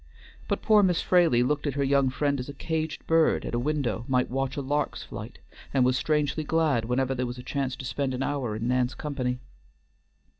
But poor Miss Fraley looked at her young friend as a caged bird at a window might watch a lark's flight, and was strangely glad whenever there was a chance to spend an hour in Nan's company.